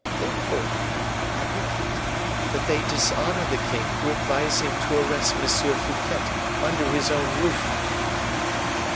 Therefore, I repeat, that they dishonor the king who advise him to arrest M. Fouquet under his own roof."